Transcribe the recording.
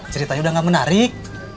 ceritanya udah nggak menarik